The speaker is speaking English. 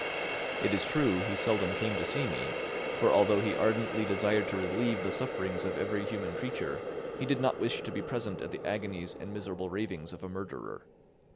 It is true, he seldom came to see me, for although he ardently desired to relieve the sufferings of every human creature, he did not wish to be present at the agonies and miserable ravings of a murderer.